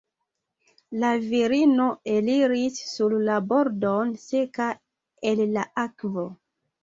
La virino eliris sur la bordon seka el la akvo.